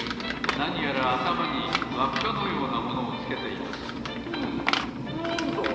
なにやらあたまにわっかのようなものをつけていますふむなんだろう？